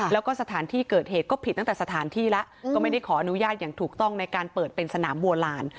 แล้วก็สถานที่เกิดเหตุก็ผิดตั้งแต่สถานที่แล้วก็ไม่ได้ขออนุญาตอย่างถูกต้องในการเปิดเป็นสนามโบราณ